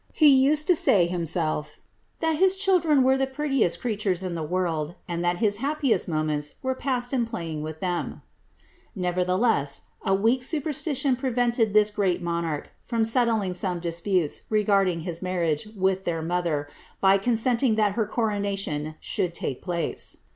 He used to say himself, ^ that his children were the prettiest creatures in the world, and that his happiest moments were passed in playing with them;''' nevertheless, a weak superstition prevented this great monarch from settling some disputes regarding his marriage with their mother,' by consenting that her coronation should take place.